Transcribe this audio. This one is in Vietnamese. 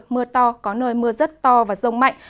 mưa to có nơi mưa rất to và rông mạnh